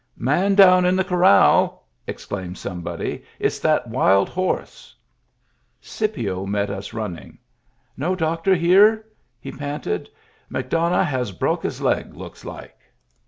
"Man down in the corral," exclaimed some body. " It's that wild horse." Scipio met us, running. No doctor here?* he panted. "McDonough has bruck his leg, looks like."